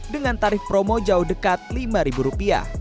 dengan tarif promo jauh dekat rp lima